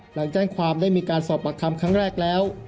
หลังแจ้งความได้มีการสอบปากคำครั้งแรกแล้ว